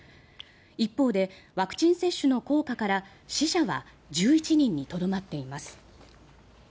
一方でワクチン接種の効果から死者は１１人にとどまっています。